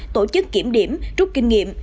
tổ chức kiểm điểm rút kinh nghiệm